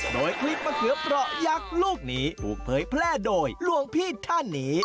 โดยคลิปมะเขือเปราะยักษ์ลูกนี้ถูกเผยแพร่โดยหลวงพี่ท่านนี้